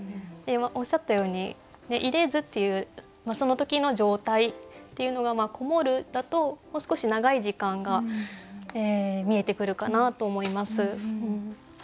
今おっしゃったように「出でず」っていうその時の状態っていうのが「こもる」だともう少し長い時間が見えてくるかなと思います。